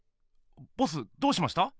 ボスどうしました？